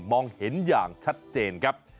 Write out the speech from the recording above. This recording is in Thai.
มองเห็นอย่างชัดเจนครับ